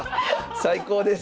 最高です！